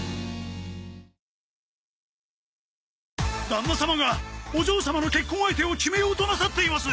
旦那様がお嬢様の結婚相手を決めようとなさっています